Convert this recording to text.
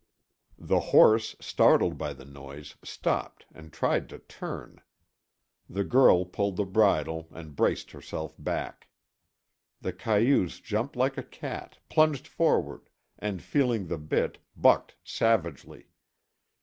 The horse, startled by the noise, stopped and tried to turn. The girl pulled the bridle and braced herself back. The cayuse jumped like a cat, plunged forward, and feeling the bit, bucked savagely.